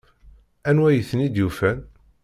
Anwa ay ten-id-yufan?